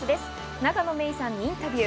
永野芽郁さんにインタビュー。